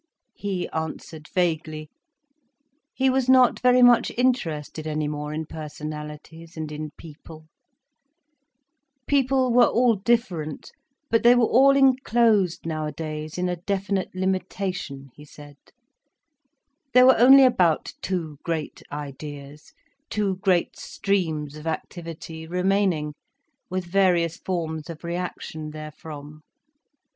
He answered vaguely. He was not very much interested any more in personalities and in people—people were all different, but they were all enclosed nowadays in a definite limitation, he said; there were only about two great ideas, two great streams of activity remaining, with various forms of reaction therefrom.